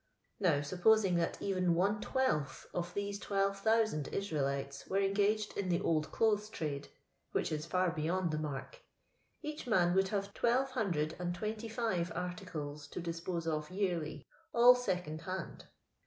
Now, supposing that even one twelfth of thes3 12,000 Israelites were en gaged in the old clothes trade (which is far beyond the mark), each man would have ttccive hundred and twenty five articles to dis pose of yearly, all second hand